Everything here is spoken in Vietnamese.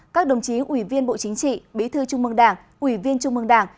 các đồng chí ủy viên bộ chính trị bí thư trung mương đảng ủy viên trung mương đảng